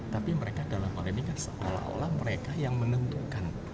tapi mereka dalam hal ini kan seolah olah mereka yang menentukan